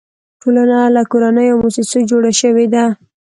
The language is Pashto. ټولنه له کورنیو او مؤسسو جوړه شوې ده.